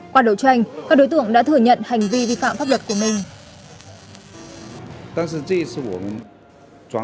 qua đấu tranh các đối tượng đã thừa nhận hành vi vi phạm pháp luật của mình